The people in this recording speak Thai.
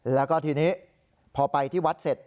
แล้วก็ทีนี้พอไปที่วัดเสร็จ